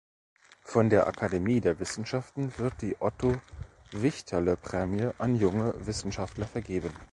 Von der Akademie der Wissenschaften wird die "Otto-Wichterle-Prämie" an junge Wissenschaftler vergeben.